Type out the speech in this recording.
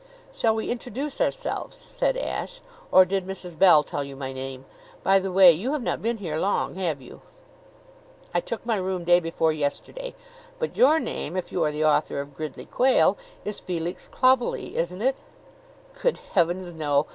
"Shall we introduce ourselves?" said Ashe. "Or did Mrs. Bell tell you my name? By the way, you have not been here long, have you?" "I took my room day before yesterday. But your name, if you are the author of Gridley Quayle, is Felix Clovelly, isn't it?" "Good heavens, no!